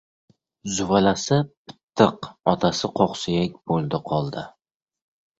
Zuvalasi pitttiq otasi qoqsuyak bo‘ldi-qoldi!